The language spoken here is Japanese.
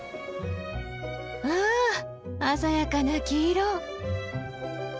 わあ鮮やかな黄色！